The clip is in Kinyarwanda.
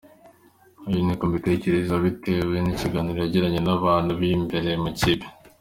Uko niko mbitekereza bitewe n’ibiganiro nagiranye n’abantu b’imbere mu ikipe.